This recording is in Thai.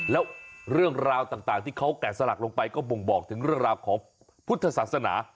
แล้วเรื่องราวต่างที่เขาแกะสลักลงไปก็บ่งบอกถึงเรื่องราวของพุทธศาสนา